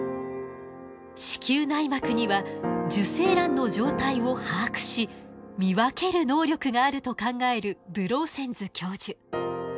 子宮内膜には受精卵の状態を把握し見分ける能力があると考えるブローセンズ教授。